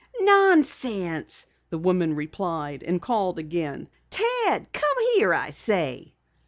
"Nonsense!" the woman replied, and called again. "Ted! Come here, I say!"